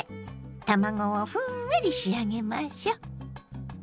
卵をふんわり仕上げましょ。